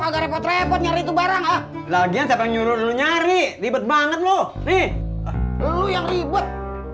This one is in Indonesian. agak repot repot nyari itu barang lagi yang sampai nyuruh nyari ribet banget loh nih lu yang ribet